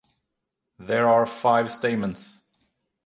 There are five stamens.